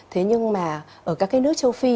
thế nhưng mà ở các cái nước châu phi